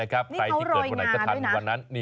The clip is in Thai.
ใครที่เกิดวันใดก็ทัน